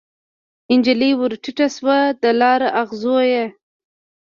نجلۍ ورټیټه شوه د لار اغزو یې